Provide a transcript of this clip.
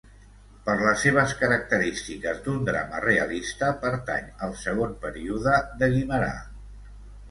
Per les seves característiques d'un drama realista, pertany al segon període de Guimerà.